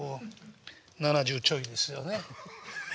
７０ちょいですよね。